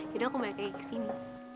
aku balik lagi ke sini